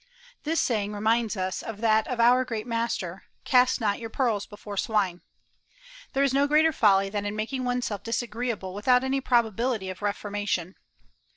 This saying reminds us of that of our great Master: "Cast not your pearls before swine." There is no greater folly than in making oneself disagreeable without any probability of reformation.